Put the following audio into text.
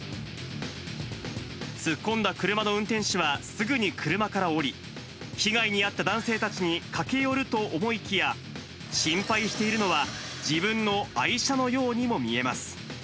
突っ込んだ車の運転手は、すぐに車から降り、被害に遭った男性たちに駆け寄ると思いきや、心配しているのは、自分の愛車のようにも見えます。